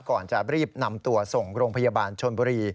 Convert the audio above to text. ก่อนจะรีบนำตัวส่งโรงพยาบาลชนบุรี